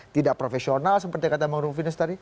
tidak profesional seperti kata mauryo mufinus tadi